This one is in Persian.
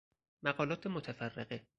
مقالات متفرقه